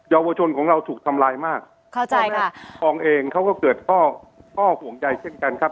ยาวชนของเราถูกทำลายมากเข้าใจค่ะทองเองเขาก็เกิดข้อข้อห่วงใยเช่นกันครับ